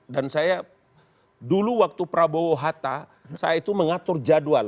dan saya dulu waktu prabowo hatta saya itu mengatur jadwal